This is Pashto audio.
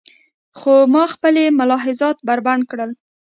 خو ما خپلې ملاحظات بربنډ کړل.